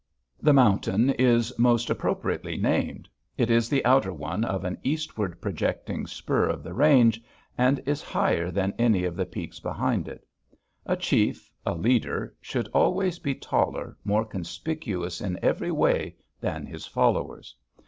The mountain is most appropriately named. It is the outer one of an eastward projecting spur of the range, and is higher than any of the peaks behind it. A chief, a leader, should always be taller, more conspicuous in every way than his followers.